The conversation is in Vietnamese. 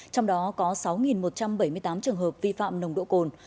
trong đó có sáu một trăm bảy mươi tám trường hợp vi phạm nồng độ cồn